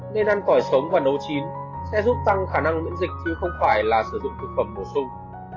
nên ăn còi sống và nấu chín sẽ giúp tăng khả năng miễn dịch chứ không phải là sử dụng thực phẩm bổ sung